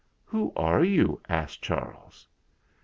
"Who are you?" asked Charles.